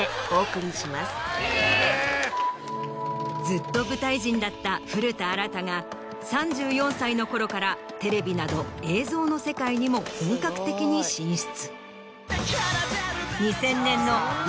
ずっと舞台人だった古田新太が３４歳のころからテレビなど映像の世界にも本格的に進出。